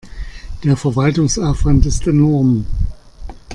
Der Verwaltungsaufwand ist enorm.